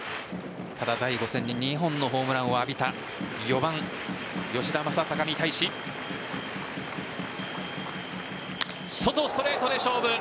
ただ、第５戦に２本のホームランを浴びた４番・吉田正尚に対し外、ストレートで勝負。